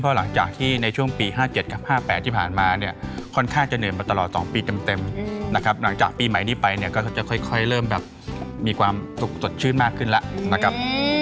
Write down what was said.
แล้วก็หลังจากที่ในช่วงปี๑๗๕๗กับ๑๗๕๘ที่ผ่านมาเนี่ยค่อนข้างจะเหนื่อมไปตลอด๒ปีเต็มแต่ว่าหลังจากปีใหม่มีความสดชื่นมากขึ้นแล้วนะครับ